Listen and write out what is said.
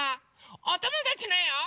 おともだちのえを。